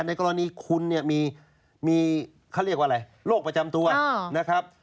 ในกรณีคุณเนี่ยมีเขาเรียกว่าอะไรโรคประจำตัวนะครับ